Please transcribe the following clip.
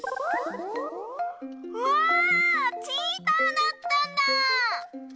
わあチーターだったんだ！